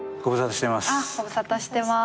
ご無沙汰してます。